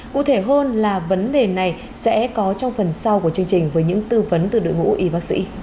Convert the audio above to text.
cụ thể hơn là vấn đề này sẽ có trong phần sau của chương trình với những tư vấn từ đội ngũ y bác sĩ